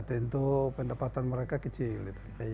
tentu pendapatan mereka kecil